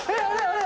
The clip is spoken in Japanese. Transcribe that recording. あれ？